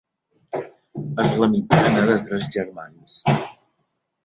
És la mitjana de tres germans.